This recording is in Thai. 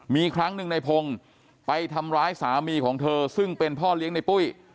มีครั้งหนึ่งในพงศ์ไปทำร้ายสามีของเธอซึ่งเป็นพ่อเลี้ยงในปุ้ย